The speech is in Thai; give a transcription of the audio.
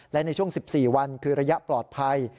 และในช่วง๑๔วันคือระยะปลอดภัย